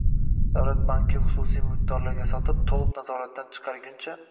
Davlat bankni xususiy mulkdorga sotib, to'liq nazoratdan chiqarguncha